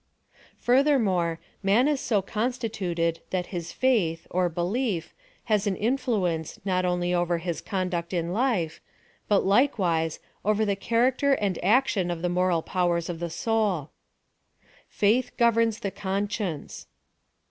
Furthermore, mai is so constituted that his faith^ 148 PHILOSOPHY OF THE 01 belief, has an influence not only over liis conduct in life, but, likewise, over the character and action of the moral powers of the soul. Faith governs the Conscience.